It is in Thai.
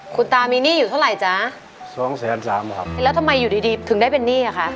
คุณตามีหนี้อยู่เท่าไหร่จ๊ะสองแสนสามครับแล้วทำไมอยู่ดีดีถึงได้เป็นหนี้อ่ะคะ